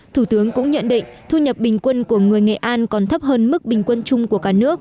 thủ tướng cũng nhận định thu nhập bình quân của người nghệ an còn thấp hơn mức bình quân chung của cả nước